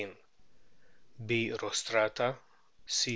B. rostrata C.